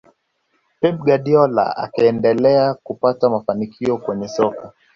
pep guardiola akaendelea kupata mafanikio kwenye soka